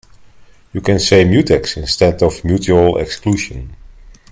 You can say mutex instead of mutual exclusion.